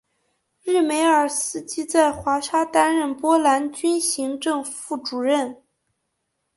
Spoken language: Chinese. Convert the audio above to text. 日梅尔斯基在华沙担任波兰军行政副主任。